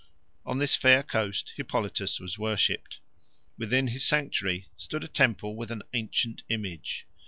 On this fair coast Hippolytus was worshipped. Within his sanctuary stood a temple with an ancient image.